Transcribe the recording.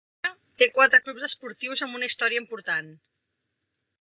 Nikaia té quatre clubs esportius amb una història important.